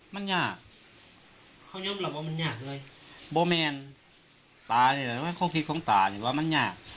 มันยากเขาย้มหลับว่ามันยากเลยบ่แมนตาเนี้ยเขาคิดของตาเนี้ยว่ามันยาก